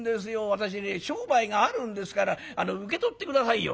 私ね商売があるんですから受け取って下さいよ」。